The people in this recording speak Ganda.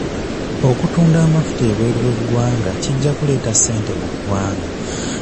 Okutunda amafuta ebweru w'eggwanga kijja kuleeta ssente mu ggwanga.